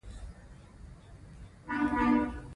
تالابونه د افغانستان د سیلګرۍ یوه ډېره مهمه برخه ده.